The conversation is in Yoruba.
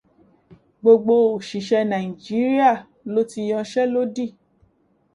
Gbogbo òṣìṣẹ́ Nàìjíríà lọ́ ti yanṣẹ́lódì.